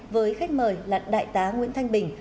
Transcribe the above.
với khách mời là đại tá nguyễn thanh bình